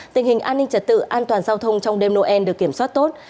tình hình an ninh trật tự an toàn giao thông trong đêm noel được kiểm soát tốt